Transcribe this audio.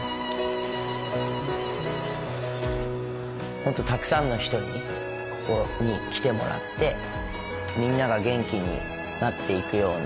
もっとたくさんの人にここに来てもらってみんなが元気になっていくような。